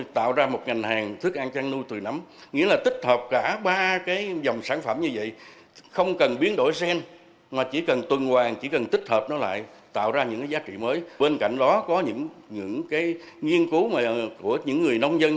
trong cạnh đó có những nghiên cứu của những người nông dân